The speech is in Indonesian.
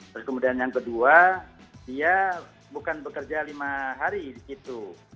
terus kemudian yang kedua dia bukan bekerja lima hari di situ